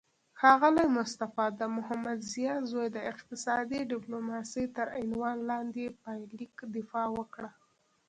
ښاغلی مصطفی د محمدضیا زوی د اقتصادي ډیپلوماسي تر عنوان لاندې پایلیک دفاع وکړه